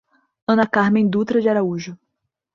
Ana Carmem Dutra de Araújo